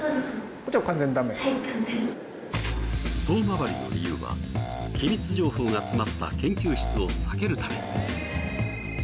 遠回りの理由は機密情報が詰まった研究室を避けるため。